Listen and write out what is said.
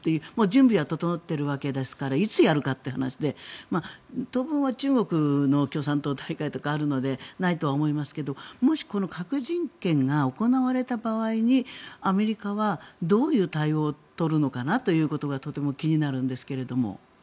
準備は整っているわけですからいつやるかという話で当分は中国の共産党大会とかあるのでないとは思いますがもし、この核実験が行われた場合にアメリカはどういう対応を取るのかなということがとても気になるんですけれど。